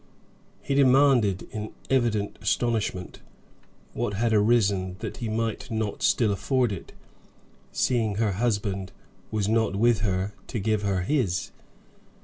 He demanded, in evident astonishment, what had arisen that he might not still afford it, seeing her husband was not with her to give her his.